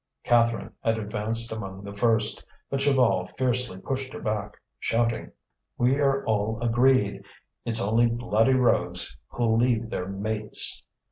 Catherine had advanced among the first. But Chaval fiercely pushed her back, shouting: "We are all agreed; it's only bloody rogues who'll leave their mates!"